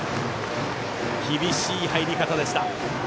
厳しい入り方でした。